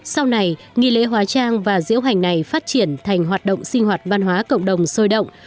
sau này nghi lễ hóa trang và diễu hành này phát triển thành hoạt động sinh hoạt văn hóa cộng đồng sôi động